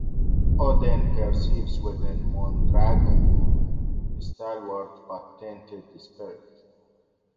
Odin perceives within Moondragon a stalwart but tainted spirit.